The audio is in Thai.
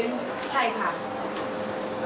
ทีนี้วันอาทิตย์หยุดแล้วก็วันจันทร์ก็หยุด